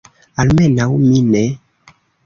Almenaŭ mi ne.